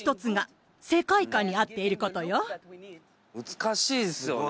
難しいですよね。